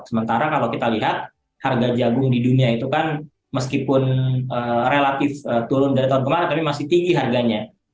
sementara kalau kita lihat harga jagung di dunia itu kan meskipun relatif turun dari tahun kemarin tapi masih tinggi harganya